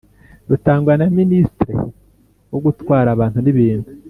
rutangwa na ministre wo gutwara abantu n’ibintu